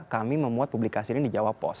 kami memuat publikasi ini di jawa post